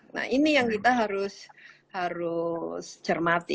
nah ini yang kita harus cermati